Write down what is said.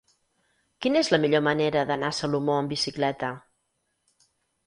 Quina és la millor manera d'anar a Salomó amb bicicleta?